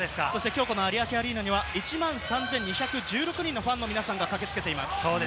有明アリーナには１万３２１６人のファンの皆さんが駆けつけています。